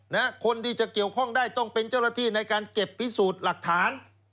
คนที่จะเกี่ยวข้องได้ต้องเป็นเจ้าหน้าที่ในการเก็บพิสูจน์หลักฐาน